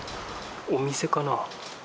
お店かな？